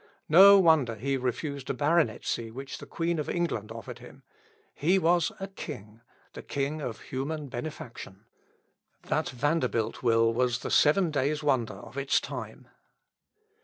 No wonder he refused a baronetcy which the Queen of England offered him, he was a king the king of human benefaction. That Vanderbilt will was the seven days wonder of its time.